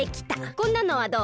こんなのはどう？